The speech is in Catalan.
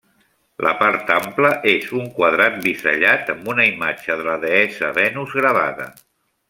La part ampla és un quadrat bisellat amb una imatge de la deessa Venus gravada.